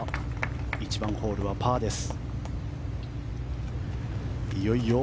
１番ホールはパーです。